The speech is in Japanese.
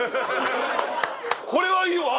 これはいいわ！